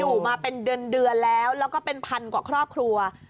อยู่มาเป็นเดือนแล้วแล้วก็เป็นพันกว่าครอบครัว